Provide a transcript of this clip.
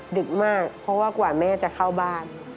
ดึกมากเพราะว่ากว่าแม่จะเข้าบ้าน